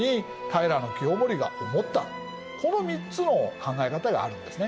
この３つの考え方があるんですね。